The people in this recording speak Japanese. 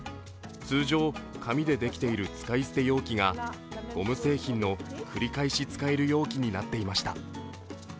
通常、紙でできている使い捨て容器がゴム製品の繰り返し使える容器になっていました。